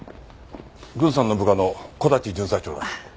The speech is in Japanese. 郡さんの部下の木立巡査長だ。